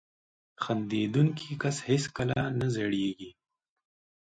• خندېدونکی کس هیڅکله نه زړېږي.